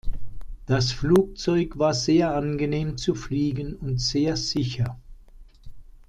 Das Flugzeug war sehr angenehm zu fliegen und sehr sicher.